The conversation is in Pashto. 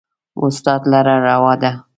و استاد لره روا ده